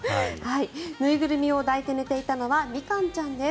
縫いぐるみを抱いて寝ていたのはみかんちゃんです。